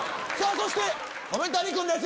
そして染谷君です